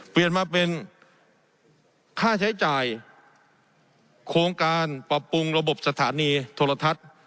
เปลี่ยนมาเป็นค่าใช้จ่ายโครงการปรับปรุงระบบสถานีโทรทัศน์